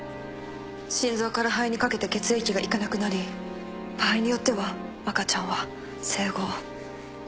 心臓から肺にかけて血液が行かなくなり場合によっては赤ちゃんは生後持って数日の命です。